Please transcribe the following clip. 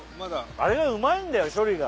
あれがうまいんだよ処理が。